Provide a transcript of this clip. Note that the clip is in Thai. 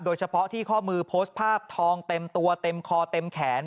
โดยเฉพาะที่ข้อมือโพสต์ภาพทองเต็มตัวเต็มคอเต็มแขน